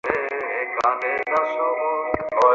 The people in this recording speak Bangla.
মহেন্দ্র উত্তর করিত, পরের হিংসা পাইতে যে সুখ আছে।